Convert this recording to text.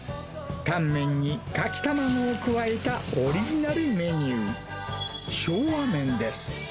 タンメンに溶き卵を加えたオリジナルメニュー、昭和麺です。